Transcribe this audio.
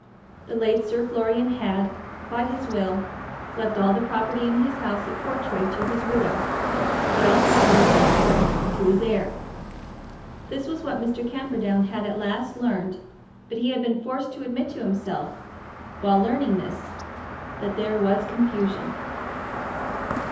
The late Sir Florian had, by his will, left all the property in his house at Portray to his widow, but all property elsewhere to his heir. This was what Mr. Camperdown had at last learned, but he had been forced to admit to himself, while learning this, that there was confusion.